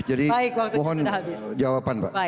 jadi mohon jawaban pak